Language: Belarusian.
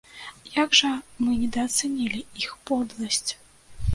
Як жа мы недаацанілі іх подласць!